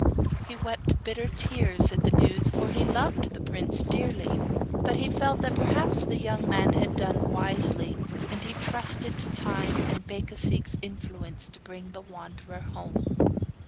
He wept bitter tears at the news, for he loved the prince dearly; but he felt that perhaps the young man had done wisely, and he trusted to time and Becasigue's influence to bring the wanderer home.